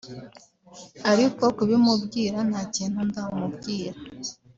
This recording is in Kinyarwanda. ariko kubimubwira ntakintu ndamubwira